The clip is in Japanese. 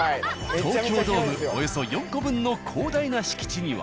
東京ドームおよそ４個分の広大な敷地には。